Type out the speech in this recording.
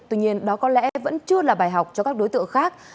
tuy nhiên đó có lẽ vẫn chưa là bài học cho các đối tượng khác